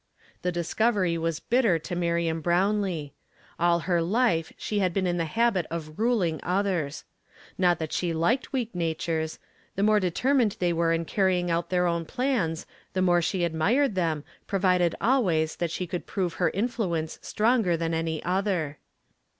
The discovery was bitter to Miriam Brownlee. All her life she had been in the habit of ruling others. Not that she liked weak natures; the more determined they were in carrying out their own plans, the more she admired them, provided always that she could prove her influence stronger than any other.